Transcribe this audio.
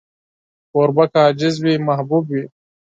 کوربه که عاجز وي، محبوب وي.